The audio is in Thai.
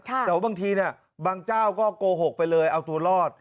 แต่ว่าบางทีบางเจ้าก็โกหกไปเลยเอาตัวรอด